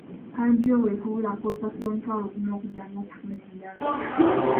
Kkaadi yo bw'ekubulako osasula omutwalo gumu okuddamu okufuna endala.